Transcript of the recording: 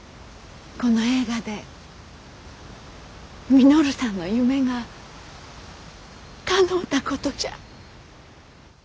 この映画で稔さんの夢がかのうたことじゃ。